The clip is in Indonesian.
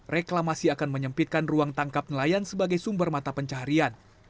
reklamasi akan menyempitkan ruang tangkap nelayan sebagai sumber mata pencaharian